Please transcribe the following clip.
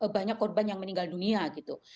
banyak korban yang meninggal dunia gitu